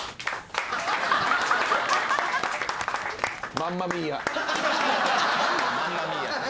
マンマミーヤって。